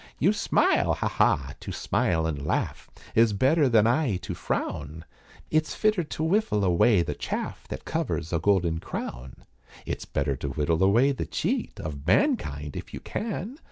"You smile. Ha, ha! to smile and laugh Is better than aye to frown It's fitter to whiffle away the chaff That covers a golden crown. "It's better to whittle away the cheat Of mankind if you can."